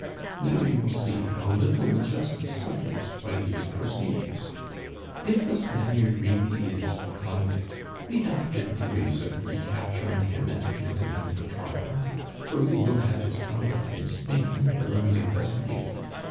"Now you will see how little justice suffers by these proceedings. If the Spaniard really is the convict, we have fifty ways of recapturing him and committing him for trial for we will have his conduct in Spain thoroughly investigated.